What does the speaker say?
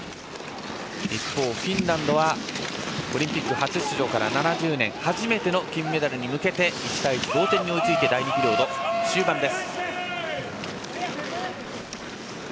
一方、フィンランドはオリンピック初出場から７０年初めての金メダルに向けて１対１、同点に追いついて第２ピリオド終盤。